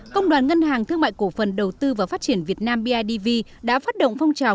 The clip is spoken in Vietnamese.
công đoàn ngân hàng thương mại cổ phần đầu tư và phát triển việt nam bidv đã phát động phong trào